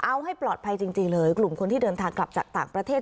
เอาให้ปลอดภัยจริงเลยกลุ่มคนที่เดินทางกลับจากต่างประเทศ